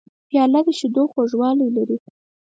پیاله د شیدو خوږوالی لري.